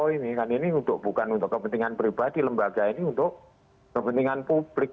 oh ini kan ini bukan untuk kepentingan pribadi lembaga ini untuk kepentingan publik